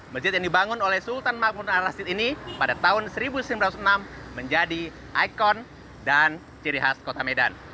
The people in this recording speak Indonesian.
masjid yang dibangun oleh sultan makmur al rashid ini pada tahun seribu sembilan ratus enam menjadi ikon dan ciri khas kota medan